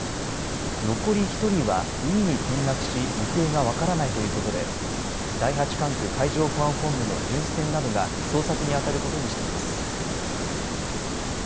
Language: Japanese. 残り１人は海に転落し行方が分からないということで第８管区海上保安本部の巡視船などが捜索にあたることにしています。